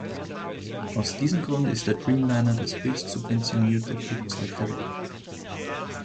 Aus diesem Grund ist der Dreamliner das höchstsubventionierte Flugzeug der Welt.